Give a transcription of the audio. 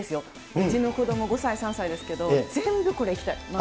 うちの子ども、５歳、３歳ですけど、全部これ、行きたい。